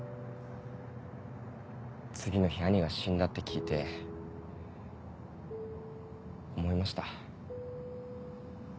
次の日兄が死んだって聞いて思いました。